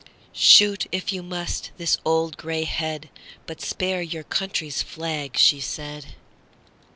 "Shoot, if you must, this old gray head, But spare your country's flag," she said.